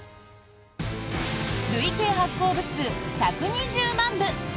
累計発行部数１２０万部！